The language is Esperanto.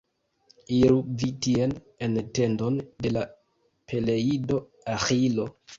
Iru vi tien, en tendon de la Peleido Aĥilo.